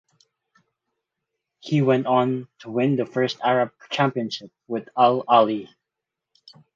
He went on to win the first Arab championship with Al Ahly.